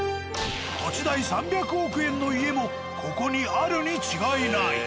土地代３００億円の家もここにあるに違いない。